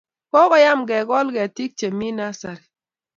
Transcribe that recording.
Kokoyam kekol ketik che mi nursery